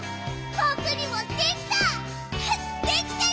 「ぼくにもできた！